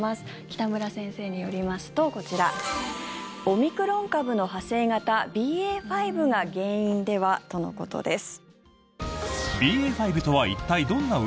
北村先生によりますとこちら、オミクロン株の派生型ＢＡ．５が原因では？とのことです。